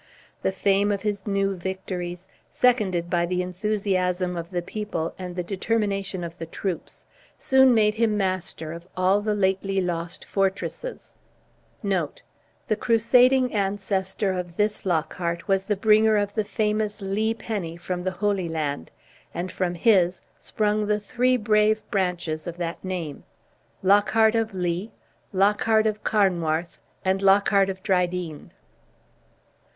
The fame of his new victories, seconded by the enthusiasm of the people and the determination of the troops, soon made him master of all the lately lost fortresses. The crusading ancestor of this Lockhart was the bringer of the famous Lee penny from the Holy Land, and from his sprung the three brave branches of the name Lockhart of Lee, Lockhart of Carnwarth, and Lockhart of Drydean.